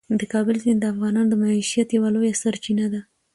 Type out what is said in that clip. د کابل سیند د افغانانو د معیشت یوه لویه سرچینه ده.